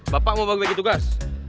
bapak mau bagi bagi tugas